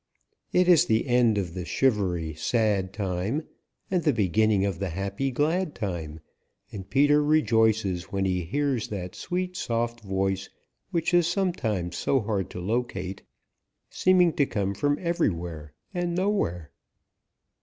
It is the end of the shivery, sad time and the beginning of the happy, glad time, and Peter rejoices when he hears that sweet, soft voice which is sometimes so hard to locate, seeming to come from everywhere and nowhere.